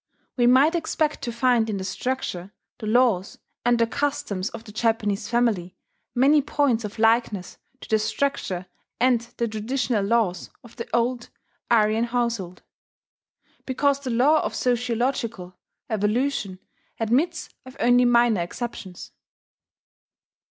We might expect to find in the structure, the laws, and the customs of the Japanese family many points of likeness to the structure and the traditional laws of the old Aryan household, because the law of sociological evolution admits of only minor exceptions.